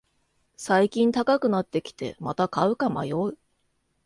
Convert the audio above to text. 最近高くなってきて、また買うか迷う